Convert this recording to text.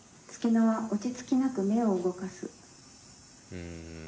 うん。